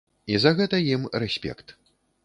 І за гэта ім рэспект.